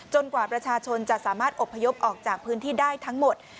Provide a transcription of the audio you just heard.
กว่าประชาชนจะสามารถอบพยพออกจากพื้นที่ได้ทั้งหมด